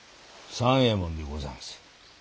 三右衛門でござんす。